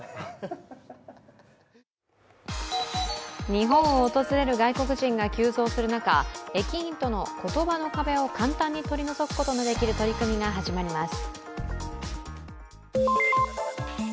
日本を訪れる外国人が急増する中、駅員との言葉の壁を簡単に取り除くことのできる取り組みが始まります。